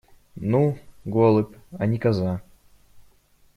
Ну, голубь, а не коза.